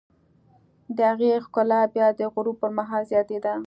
د هغې ښکلا بیا د غروب پر مهال زیاتېده.